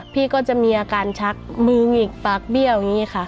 พี่ก็จะมีอาการชักมือหงิกปากเบี้ยวอย่างนี้ค่ะ